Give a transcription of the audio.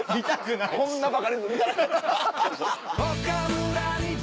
こんなバカリズム見たない。